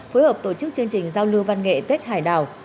phối hợp tổ chức chương trình giao lưu văn nghệ tết hải đảo